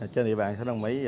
trên địa bàn thái đông mỹ